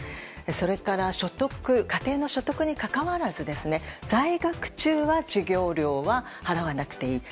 それから家庭の所得にかかわらず在学中は授業料は払わなくていい。